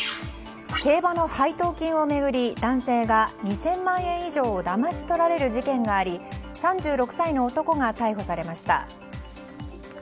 競馬の配当金を巡り男性が２０００万円以上だまし取られる事件があり３６歳の男が逮捕されました。